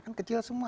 kan kecil semua